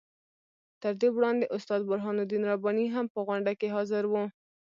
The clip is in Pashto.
تر دې وړاندې استاد برهان الدین رباني هم په غونډه کې حاضر وو.